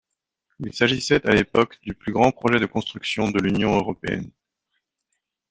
Il s'agissait à l'époque du plus grand projet de construction de l'Union européenne.